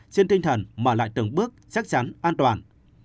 trên tinh thần mà lại từng bước chắc chắn an toàn